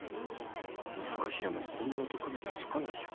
このフカヒレも本物と区別つかないや。